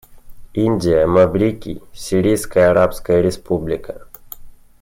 Индия, Маврикий, Сирийская Арабская Республика.